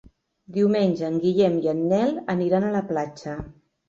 Diumenge en Guillem i en Nel aniran a la platja.